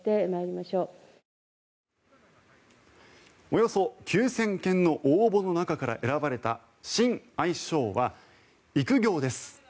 およそ９０００件の応募の中から選ばれた新愛称は育業です。